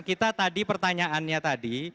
kita tadi pertanyaannya tadi